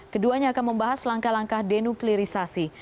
keduanya akan membahas langkah langkah denuklirisasi